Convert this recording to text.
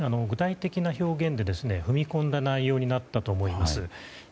具体的な表現で踏み込んだ内容になったと思います。